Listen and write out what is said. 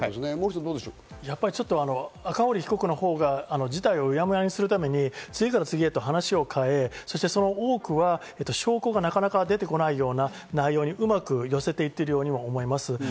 赤堀被告のほうが事態をうやむやにするために次から次へと話を変え、そしてその多くは証拠がなかなか出てこないような内容にうまく寄せていっているようにも思います。